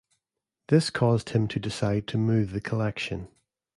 This caused him to decide to move the collection.